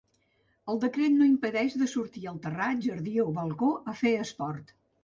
El decret no impedeix de sortir al terrat, jardí o balcó a fer esport.